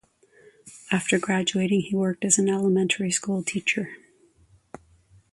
After graduating, he worked as an elementary school teacher.